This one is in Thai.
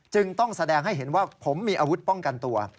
ต้องแสดงให้เห็นว่าผมมีอาวุธป้องกันตัว